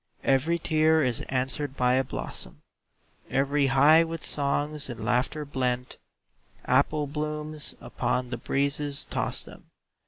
Every tear is answered by a blossom, Every high with songs and laughter blent, Apple blooms upon the breezes toss them.